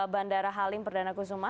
bandara halim perdana kusuma